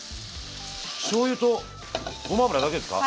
しょうゆとごま油だけですか？